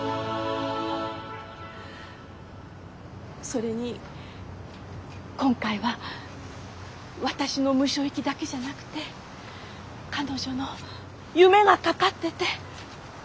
それに今回は私のムショ行きだけじゃなくて彼女の夢がかかってて。